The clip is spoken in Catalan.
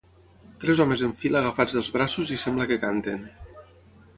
Tres homes en fila agafats dels braços i sembla que canten.